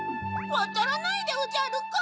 わたらないでおじゃるか？